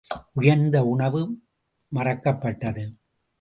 உயர்ந்த உணவு மறக்கப்பட்டது.